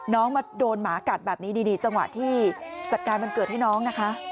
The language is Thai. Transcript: น้องมาโดนหมากัดแบบนี้ดีจังหวะที่จัดการวันเกิดให้น้องนะคะ